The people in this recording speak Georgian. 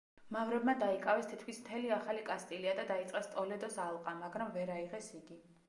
მავრებმა დაიკავეს თითქმის მთელი ახალი კასტილია და დაიწყეს ტოლედოს ალყა, მაგრამ ვერ აიღეს იგი.